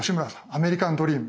アメリカンドリーム。